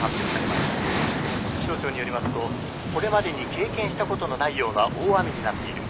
気象庁によりますとこれまでに経験したことのないような大雨になっている。